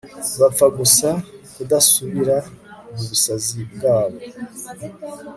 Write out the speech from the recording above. bapfa gusa kudasubira mu busazi bwabo